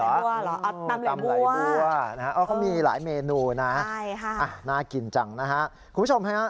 ตำไหลบัวนะฮะเขามีหลายเมนูนะน่ากินจังนะฮะคุณผู้ชมฮะ